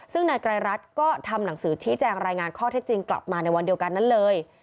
ซึ่งนายไกรรัฐก็ทำหนังสือชี้แจงรายงานข้อเท็จจริงกลับมาในวันเดียวกันนั้นเลย